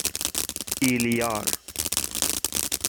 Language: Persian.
ایلیار